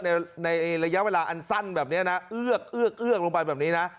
ในระยะเวลาอันสั้นแบบนี้นะเอื้อกเอื้อกเอื้อกลงไปแบบนี้นะ